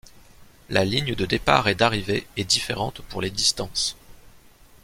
La ligne de départ et d'arrivée est différente pour les distances.